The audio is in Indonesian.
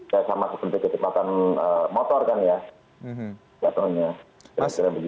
ya sama seperti kecepatan motor kan ya